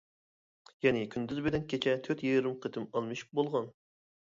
يەنى، كۈندۈز بىلەن كېچە تۆت يېرىم قېتىم ئالمىشىپ بولغان.